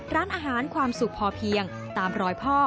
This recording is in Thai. ร้านอาหารความสุขพอเพียงตามรอยพ่อ